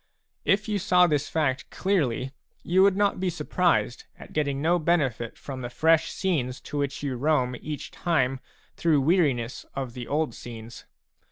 If you saw this fact clearly, you would not be surprised at getting no benefit from the fresh scenes to which you roam each time through weariness of the old scenes.